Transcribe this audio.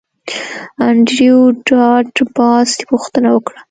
انډریو ډاټ باس پوښتنه وکړه